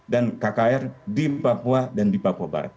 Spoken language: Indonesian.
dan kkr di papua dan di papua barat